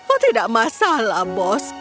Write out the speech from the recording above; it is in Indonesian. oh tidak masalah bos